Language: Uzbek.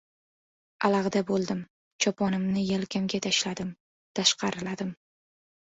Alag‘da bo‘ldim, choponimni yelkamga tashladim, tashqariladim.